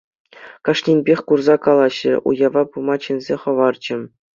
Кашнинпех курса калаҫрӗ, уява пыма чӗнсе хӑварчӗ.